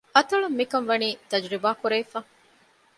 އަތޮޅުން މިކަން ވަނީ ތަޖުރިބާ ކުރެވިފަ